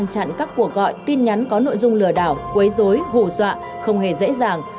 chặn các cuộc gọi tin nhắn có nội dung lừa đảo quấy dối hù dọa không hề dễ dàng